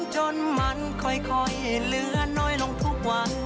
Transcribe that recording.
จนมันค่อยเหลือน้อยลงทุกวัน